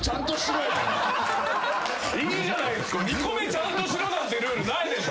いいじゃないですか２個目ちゃんとしろなんてルールないでしょ。